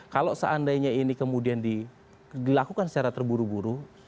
kalau seandainya ini kemudian dilakukan secara terburu buru